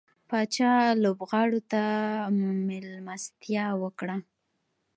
پاچا لوبغاړو ته ملستيا وکړه.